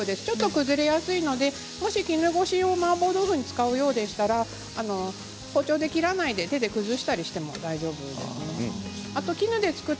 ちょっと崩れやすいのでもし絹ごしをマーボー豆腐に使うようでしたら包丁で切らないで手で崩したりしても大丈夫です。